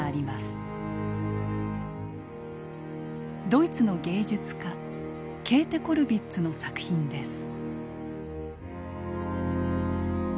ドイツの芸術家ケーテ・コルヴィッツの作品です。